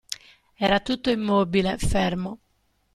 Era tutto immobile, fermo.